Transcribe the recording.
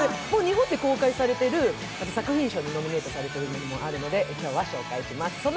もう日本で公開されている作品賞にノミネートされているものもあるので今日は紹介します。